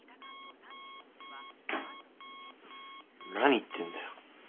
何言ってんだよ。